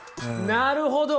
なるほど！